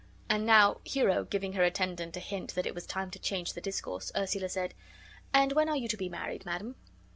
And now, Hero giving her attendant a hint that it was time to change the discourse, Ursula said, "And when are you to be married, madam?"